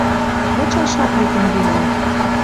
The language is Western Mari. Вычаш ак ли тенгелӓн.